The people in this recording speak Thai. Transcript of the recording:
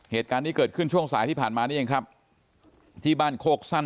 เหตุการณ์นี้เกิดขึ้นช่วงสายที่ผ่านมานี่เองครับที่บ้านโคกสั้น